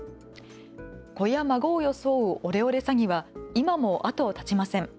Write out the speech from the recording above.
子や孫を装うオレオレ詐欺は今も後を絶ちません。